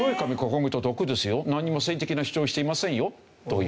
なんにも政治的な主張をしていませんよという。